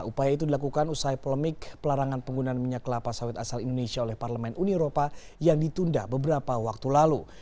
upaya itu dilakukan usai polemik pelarangan penggunaan minyak kelapa sawit asal indonesia oleh parlemen uni eropa yang ditunda beberapa waktu lalu